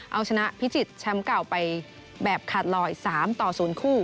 เอาชนะพิจิตรแชมป์เก่าไปแบบขาดลอย๓ต่อ๐คู่